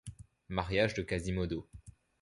Mariage de Quasimodo.